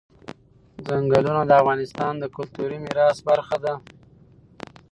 چنګلونه د افغانستان د کلتوري میراث برخه ده.